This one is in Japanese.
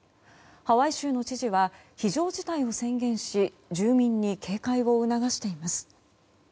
ハワイ州の知事は非常事態を宣言し住民に警戒を促しています。